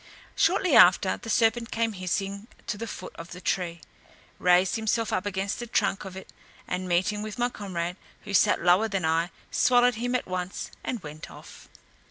Shortly after, the serpent came hissing to the foot of the tree; raised himself up against the trunk of it, and meeting with my comrade, who sat lower than I, swallowed him at once, and went off.